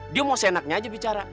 dia mau seenaknya aja bicara